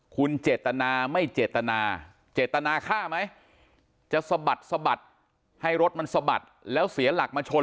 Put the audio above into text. คุณเจตนาไม่เจตนาเจตนาฆ่าไหมจะสะบัดสะบัดให้รถมันสะบัดแล้วเสียหลักมาชน